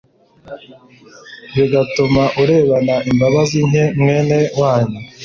bigatuma urebana imbabazi nke mwene wanyu